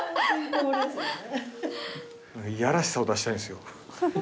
いやらしさを出したいんですよ。